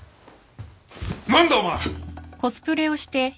何だお前！？